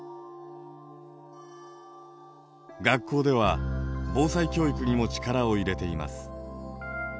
学校では防災教育にも力を入れています。